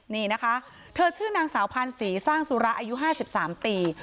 นี่นะคะเธอชื่อนางสาวพันศรีสร้างสุระอายุ๕๓ปี